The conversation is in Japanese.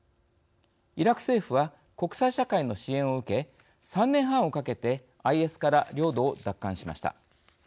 イラク政府は国際社会の支援を受け３年半をかけてＩＳから領土を奪還しました。